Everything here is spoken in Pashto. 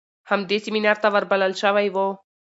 هم دې سمينار ته ور بلل شوى و.